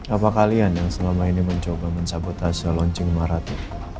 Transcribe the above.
apa kalian yang selama ini mencoba mensabotase launching maratu